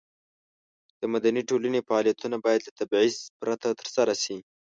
د مدني ټولنې فعالیتونه باید له تبعیض پرته ترسره شي.